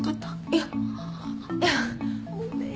いやいや。ごめん。